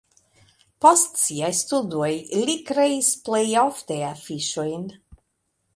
Post siaj studoj li kreis plej ofte afiŝojn.